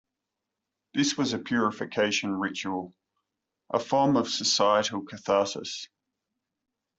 This was a purification ritual, a form of societal catharsis.